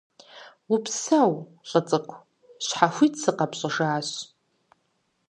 Упсэу, лӀы цӀыкӀу, щхьэхуит сыкъэпщӀыжащ.